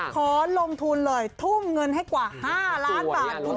ขอลงทุนเลยทุ่มเงินให้กว่า๕ล้านบาทคุณ